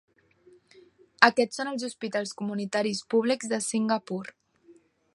Aquests són els hospitals comunitaris públics de Singapur.